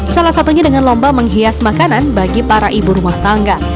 salah satunya dengan lomba menghias makanan bagi para ibu rumah tangga